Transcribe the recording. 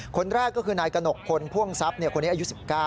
คนแรกก็คือนายกะหนกคนพ่วงซับคนนี้อายุ๑๙